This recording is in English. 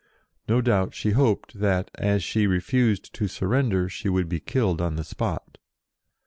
No doubt she hoped that, as she refused to surrender, she would be killed on the spot.